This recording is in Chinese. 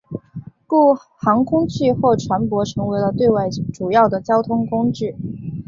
故航空器或船舶成为了对外主要的交通工具。